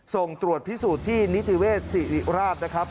ส่งตรวจพิสูจน์ที่นิติเวศสิริราชนะครับ